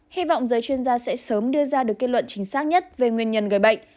hy vọng giới chuyên gia sẽ sớm đưa ra được kết luận chính xác nhất về nguyên nhân gây bệnh